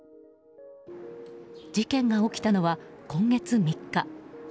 事件が起きたのは、今月３日。